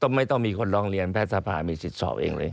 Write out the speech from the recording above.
ไม่ต้องมีคนร้องเรียนแพทย์สภามีสิทธิ์สอบเองเลย